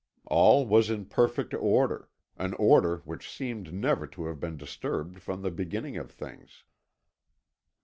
All was in perfect order, an order which seemed never to have been disturbed from the beginning of things.